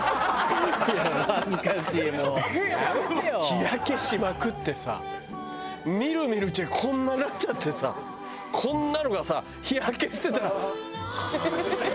日焼けしまくってさみるみるうちにこんなになっちゃってさこんなのがさ日焼けしてたらハアって腐っちゃった。